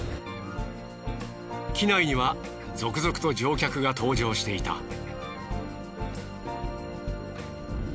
機内には続々と乗客が搭乗していた。